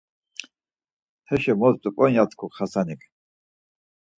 Heşo mot zop̌on ya tku Xasanik.